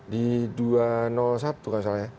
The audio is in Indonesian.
di dua ratus satu bukan salah ya